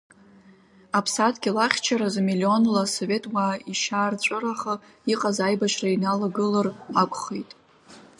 Аԥсадгьыл ахьчаразы миллионла асовет уаа ишьаарҵәыраха иҟаз аибашьра иналагылар акәхеит.